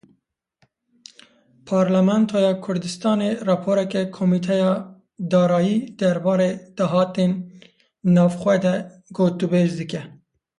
Parlamentoya Kurdistanê raporeke Komîteya Darayî derbarê dahatên navxwe de gotûbêj dike.